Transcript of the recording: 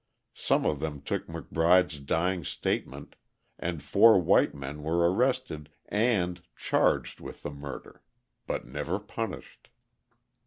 Some of them took McBride's dying statement, and four white men were arrested and charged with the murder; but never punished.